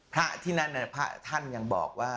พระที่นั่นพระท่านยังบอกว่า